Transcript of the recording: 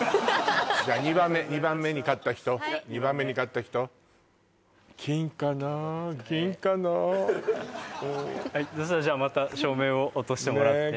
じゃあ２番目２番目に勝った人はい２番目に勝った人はいそしたらじゃあまた照明をおとしてもらってねえ